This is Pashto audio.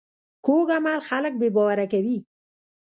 کوږ عمل خلک بې باوره کوي